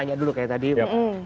iya terlalu gelap